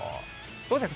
どうですか？